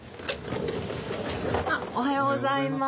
おはようございます。